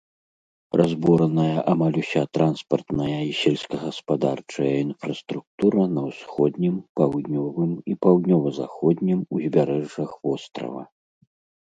Разбураная амаль уся транспартная і сельскагаспадарчая інфраструктура на ўсходнім, паўднёвым і паўднёва-заходнім узбярэжжах вострава.